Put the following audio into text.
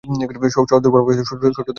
শহর দুর্বল ভাবে শত্রু দ্বারা সুরক্ষিত ছিল।